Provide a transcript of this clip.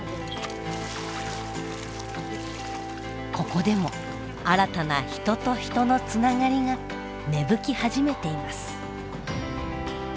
ここでも新たな人と人のつながりが芽吹き始めています。